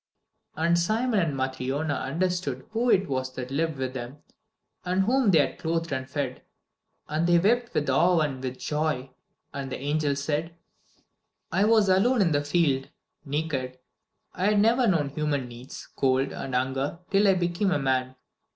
XI And Simon and Matryona understood who it was that had lived with them, and whom they had clothed and fed. And they wept with awe and with joy. And the angel said: "I was alone in the field, naked. I had never known human needs, cold and hunger, till I became a man.